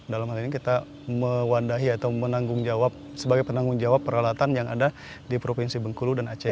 dalam hal ini kita mewadahi atau menanggung jawab sebagai penanggung jawab peralatan yang ada di provinsi bengkulu dan aceh